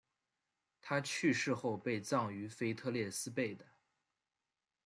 他去世后被葬于腓特烈斯贝的。